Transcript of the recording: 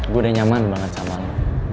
gue udah nyaman banget sama lo